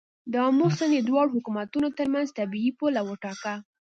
د آمو سیند یې د دواړو حکومتونو تر منځ طبیعي پوله وټاکه.